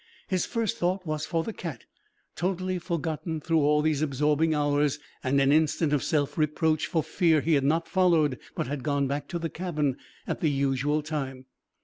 His first thought was for the cat, totally forgotten through all these absorbing hours, and an instant of self reproach for fear he had not followed, but had gone back to the cabin at the usual time.